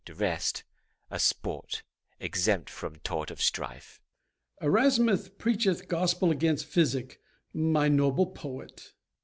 The rest a sport exempt from thought of strife. MORE. Erasmus preacheth gospel against physic, My noble poet.